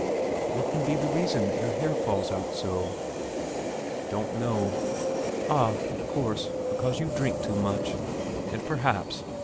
"What can be the reason that your hair falls out so?" "Don't know." "Ah, of course, because you drink too much, and perhaps